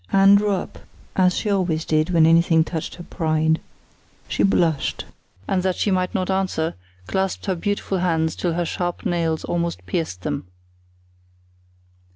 Anne drew up, as she always did, when anything touched her pride. She blushed, and that she might not answer, clasped her beautiful hands till her sharp nails almost pierced them.